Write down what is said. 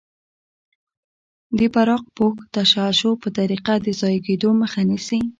د براق پوښ تشعشع په طریقه د ضایع کیدو مخه نیسي.